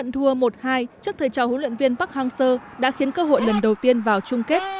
trận thua một hai trước thời trò huấn luyện viên park hang seo đã khiến cơ hội lần đầu tiên vào chung kết